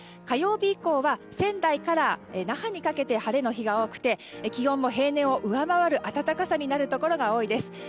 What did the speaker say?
火曜日以降は仙台から那覇にかけて晴れの日が多くて気温も平年を上回る暖かさになるところが多いです。